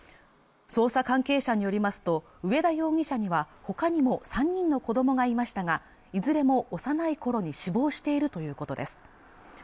捜査関係者によりますと上田容疑者にはほかにも３人の子供がいましたがいずれも幼い頃に死亡しているということです